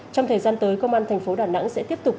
trong thời gian tới công an thành phố đà nẵng sẽ tiếp tục